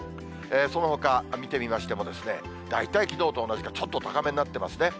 そのほか見てみましても、大体きのうと同じか、ちょっと高めになってますね。